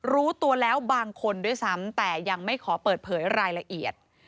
รู้ตัวแล้วบางคนด้วยซ้ำแต่ยังไม่ขอเปิดเผยรายละเอียด